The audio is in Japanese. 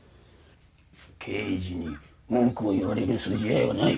刑事に文くを言われるすじ合いはない。